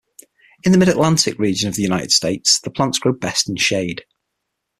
In the Mid-Atlantic region of the United States, the plants grow best in shade.